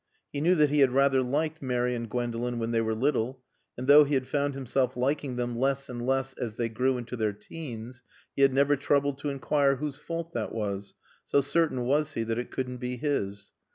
He knew that he had rather liked Mary and Gwendolen when they were little, and though he had found himself liking them less and less as they grew into their teens he had never troubled to enquire whose fault that was, so certain was he that it couldn't be his.